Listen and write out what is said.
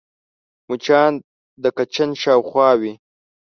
مچان د کچن شاوخوا وي